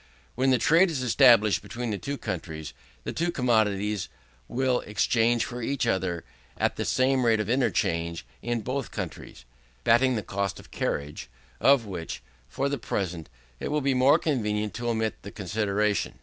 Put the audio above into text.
1. When the trade is established between the two countries, the two commodities will exchange for each other at the same rate of interchange in both countries bating the cost of carriage, of which, for the present, it will be more convenient to omit the consideration.